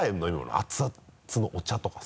熱々のお茶とかさ。